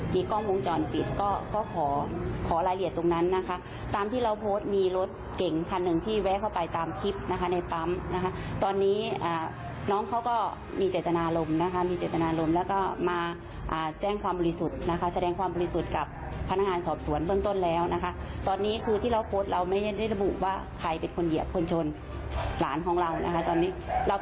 มีความรู้สึกว่ามีความรู้สึกว่ามีความรู้สึกว่ามีความรู้สึกว่ามีความรู้สึกว่ามีความรู้สึกว่ามีความรู้สึกว่ามีความรู้สึกว่ามีความรู้สึกว่ามีความรู้สึกว่ามีความรู้สึกว่ามีความรู้สึกว่ามีความรู้สึกว่ามีความรู้สึกว่ามีความรู้สึกว่ามีความรู้สึกว